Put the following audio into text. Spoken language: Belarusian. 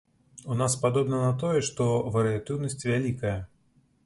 У нас падобна на тое, што варыятыўнасць вялікая.